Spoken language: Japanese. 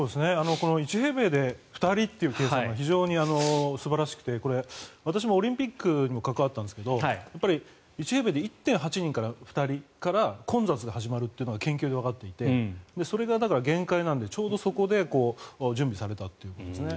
この１平米で２人という計算は非常に素晴らしくてこれは私もオリンピックに関わったんですが１平米で１．８人から２人から混雑が始まるというのが研究でわかっていてそれが限界なのでちょうどそこで準備されたということですね。